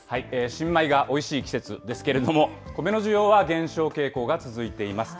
新米がおいしい季節ですけれども、コメの需要は減少傾向が続いています。